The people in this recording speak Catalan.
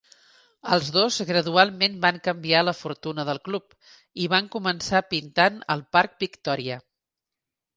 Els dos gradualment van canviar la fortuna del club, i van començar pintant el parc Victoria.